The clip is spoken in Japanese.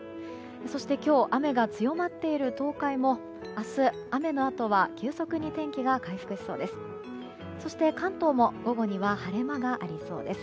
そして今日、雨が強まっている東海も明日、雨のあとは急速に天気が回復しそうです。